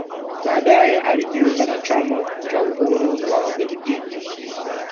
Baadae alijiunga na chama cha Uhuru wa Wabelgiji